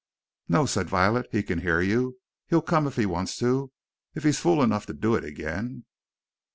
"No," said Violet. "He can hear you he'll come if he wants to if he's fool enough to do it again!"